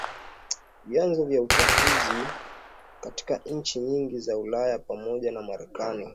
vyanzo vya uchafuzi katika nchi nyingi za Ulaya pamoja na Marekani